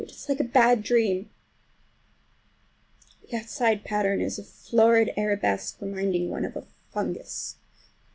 It is like a bad dream. The outside pattern is a florid arabesque, reminding one of a fungus.